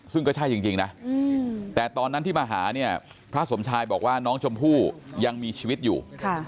ซึ่งก็ใช่จริงนะแต่ตอนนั้นที่มาหาเนี่ยพระสมชายบอกว่าน้องชมพู่ยังมีชีวิตอยู่